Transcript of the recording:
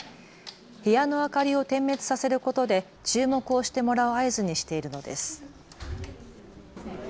部屋の明かりを点滅させることで注目をしてもらえる合図にしているのです。